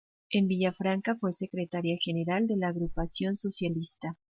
En Villafranca fue secretaria general de la agrupación socialista.